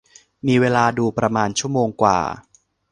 มีเวลาดูประมาณชั่วโมงกว่า